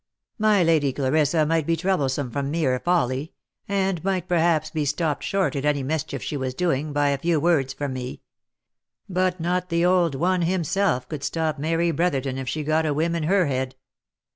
My Lady Clarissa might be troublesome from mere folly, and might perhaps be stopped short in any mischief she was doing, by a few words from me. But not the old one himself could stop Mary Brotherton if she got a whim in her head.